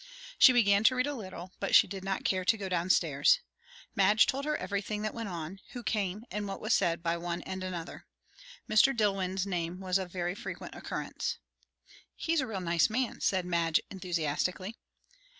She began to read a little; but she did not care to go down stairs. Madge told her everything that went on; who came, and what was said by one and another. Mr. Dillwyn's name was of very frequent occurrence. "He's a real nice man!" said Madge enthusiastically.